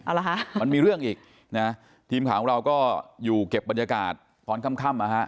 เอาเหรอฮะมันมีเรื่องอีกนะทีมข่าวของเราก็อยู่เก็บบรรยากาศตอนค่ำค่ำนะฮะ